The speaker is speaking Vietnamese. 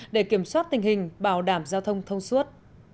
để kiểm soát tình hình bảo đảm giao thông thông suốt